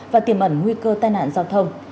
và tiềm ẩn nguy cơ tai nạn giao thông